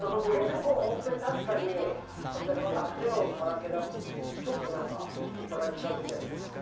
結構本当に弱点をさらけ出すことによってちょっとお互い近づいたような気がする。